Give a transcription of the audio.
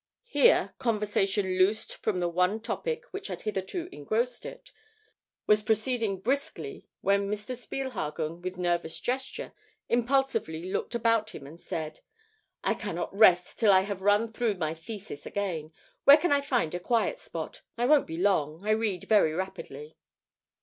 Here, conversation loosed from the one topic which had hitherto engrossed it, was proceeding briskly, when Mr. Spielhagen, with nervous gesture, impulsively looked about him and said: "I cannot rest till I have run through my thesis again. Where can I find a quiet spot? I won't be long; I read very rapidly."